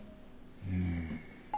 うん。